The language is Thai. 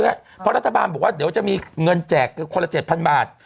เพราะรัฐบาลบอกว่าเดี๋ยวจะมีเงินแจกคนละ๗๐๐บาท